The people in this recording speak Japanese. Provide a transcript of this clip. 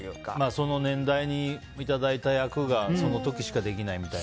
その年代にいただいた役がその時にしかできないみたいなね。